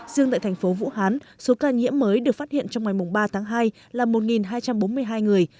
riêng tại thành phố vũ hán số ca nhiễm mới được phát hiện trong ngày ba tháng hai là một hai trăm bốn mươi hai người